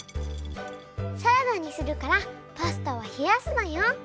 サラダにするからパスタはひやすのよ。